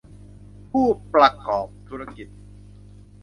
ผู้ประกอบธุรกิจ